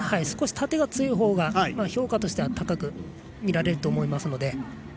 少し縦が強いほうが評価としては高く見られると思いますので。